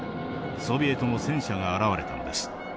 ソビエトの戦車が現れたのです。